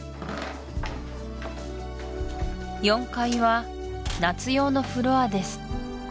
４階は夏用のフロアです